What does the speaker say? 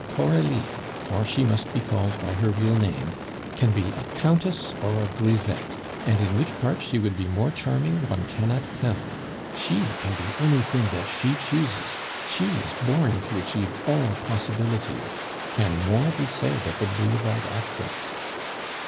Coralie, for she must be called by her real name, can be a countess or a grisette, and in which part she would be more charming one cannot tell. She can be anything that she chooses; she is born to achieve all possibilities; can more be said of a boulevard actress?